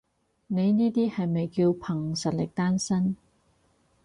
你呢啲係咪叫憑實力單身？